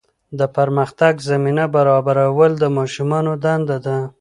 د پرمختګ زمینه برابرول د ماشومانو دنده ده.